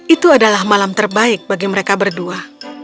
itu adalah malam terbaik bagi mereka berdua